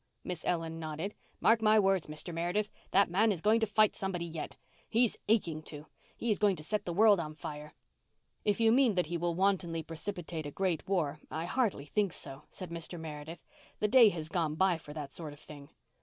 Miss Ellen nodded. "Mark my words, Mr. Meredith, that man is going to fight somebody yet. He's aching to. He is going to set the world on fire." "If you mean that he will wantonly precipitate a great war I hardly think so," said Mr. Meredith. "The day has gone by for that sort of thing."